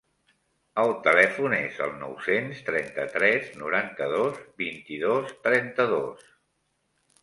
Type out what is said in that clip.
El telèfon és el nou-cents trenta-tres noranta-dos vint-i-dos trenta-dos.